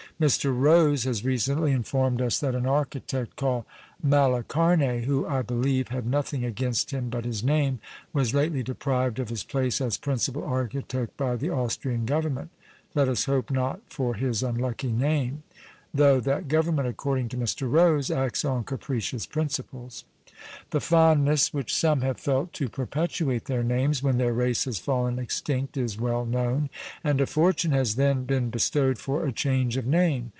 Mr. Rose has recently informed us that an architect called Malacarne, who, I believe, had nothing against him but his name, was lately deprived of his place as principal architect by the Austrian government, let us hope not for his unlucky name; though that government, according to Mr. Rose, acts on capricious principles! The fondness which some have felt to perpetuate their names, when their race has fallen extinct, is well known; and a fortune has then been bestowed for a change of name.